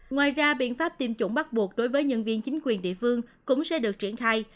ngoài ra biện pháp tiêm chủng bắt buộc đối với nhân viên chính quyền địa phương cũng sẽ được triển khai